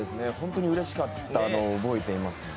本当にうれしかったのを覚えています。